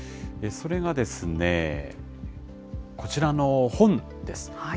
それがですね、こちらの本です。